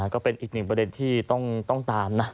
ก็เป็นอีกหนึ่งประเด็นที่ต้องตามนะ